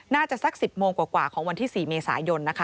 น่าจะสัก๑๐โมงกว่าของวันที่๔เมษายน